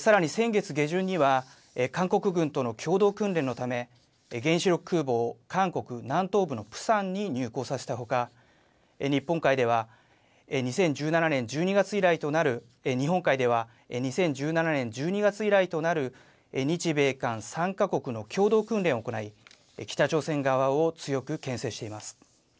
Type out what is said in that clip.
さらに先月下旬には、韓国軍との共同訓練のため、原子力空母を韓国南東部のプサンに入港させたほか、日本海では２０１７年１２月以来となる、日本海では２０１７年１２月以来となる、日米韓３か国の共同訓練を行い、北朝鮮側を強くけん制しています。